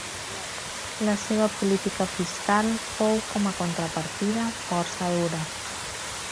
La seva política fiscal fou com a contrapartida, força dura.